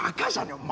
お前！